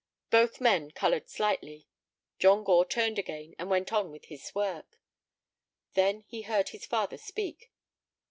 Both men colored slightly. John Gore turned again, and went on with his work. Then he heard his father speak.